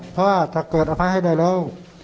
เพราะว่าถ้าเกิดอภัยให้ได้แล้ว